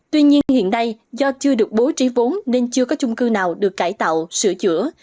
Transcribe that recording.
tuy nhiên hiện nay do chưa được bố trí vốn nên chưa có chung cư nào được cải tạo sửa chữa